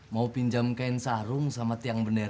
mau pinjam kain sarung sama tiang bendera